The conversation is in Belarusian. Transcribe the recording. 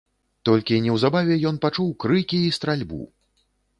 Толькі неўзабаве ён пачуў крыкі і стральбу.